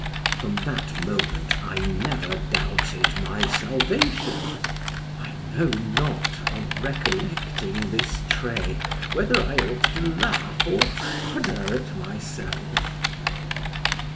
From that moment I never doubted my salvation: I know not on recollecting this trait, whether I ought to laugh or shudder at myself.